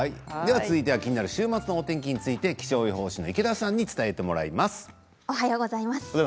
続いては気になる週末の天気について気象予報士の池田さんに伝えてもらいます。